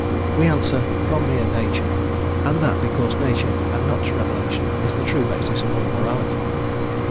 We answer, "from mere Nature, and that because Nature and not revelation is the true basis of all morality."